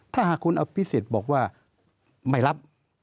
ถ้าหากคุณอภิษฎบอกว่าไม่รับ